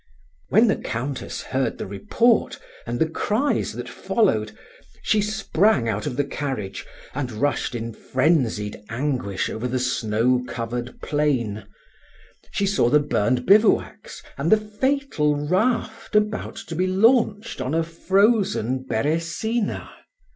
When the Countess heard the report and the cries that followed, she sprang out of the carriage, and rushed in frenzied anguish over the snow covered plain; she saw the burned bivouacs and the fatal raft about to be launched on a frozen Beresina.